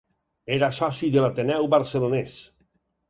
Era soci de l'Ateneu Barcelonès.